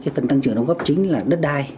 phần tăng trưởng đóng góp chính là đất đai